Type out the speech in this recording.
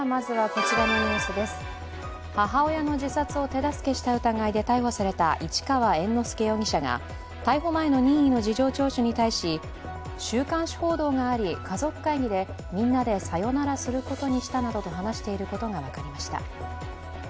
母親の自殺を手助けした疑いで逮捕された市川猿之助容疑者が、逮捕前の任意の事情聴取に対し、週刊誌報道があり、家族会議でみんなでさよならすることにしたなどと話していることが分かりました。